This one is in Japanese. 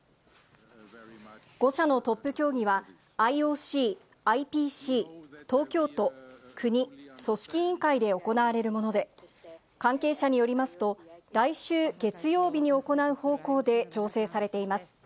５者のトップ協議は、ＩＯＣ、ＩＰＣ、東京都、国、組織委員会で行われるもので、関係者によりますと、来週月曜日に行う方向で調整されています。